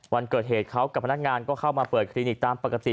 วันเกิดเหตุเขากับพนักงานก็เข้ามาเปิดคลินิกตามปกติ